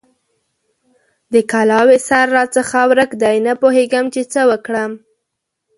د کلاوې سر راڅخه ورک دی؛ نه پوهېږم چې څه وکړم؟!